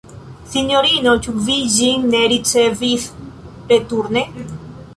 Sinjorino, ĉu vi ĝin ne ricevis returne?